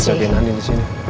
aku harus jagain andin disini